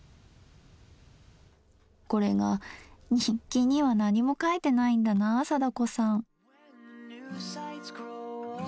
これが日記には何も書いてないんだなあ貞子さん。